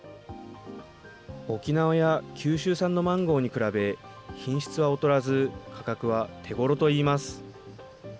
沖縄や九州産のマンゴーに比べ、品質は劣らず、価格は手ごろといいます。